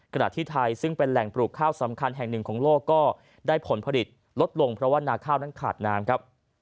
ขณะที่ไทยซึ่งเป็นแหล่งปลูกข้าวสำคัญแห่งหนึ่งของโลกก็ได้ผลผลิตลดลงเพราะว่านาข้าวนั้นขาดน้ำครับ